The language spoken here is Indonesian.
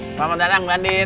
selamat datang mbak andin